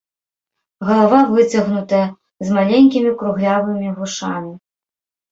Галава выцягнутая, з маленькімі круглявымі вушамі.